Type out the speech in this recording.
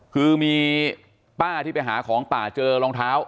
คือมีป้าที่ไปหาของป่าเจอรองเท้า